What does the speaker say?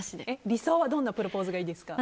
理想はどんなプロポーズがいいですか。